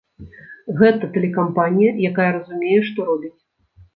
Гэта тэлекампанія, якая разумее, што робіць.